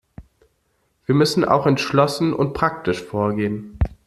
Wir müssen auch entschlossen und praktisch vorgehen.